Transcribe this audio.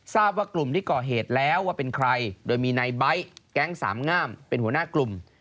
ทราบว่ากลุ่มที่ก่อเหตุแล้วว่าเป็นใครโดยมีนายไบท์แก๊งสามงามเป็นหัวหน้ากลุ่ม